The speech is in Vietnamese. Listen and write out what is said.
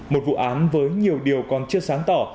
một vụ án với nhiều điều còn chưa sáng tỏ